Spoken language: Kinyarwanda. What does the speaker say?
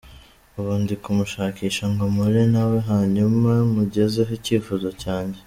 Ubu ndi kumushakisha ngo mpure na we hanyuma mugezeho icyifuzo cyanjye.